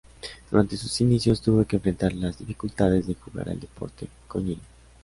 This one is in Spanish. Durante sus inicios, tuvo que enfrentar las dificultades de jugar el deporte con niños.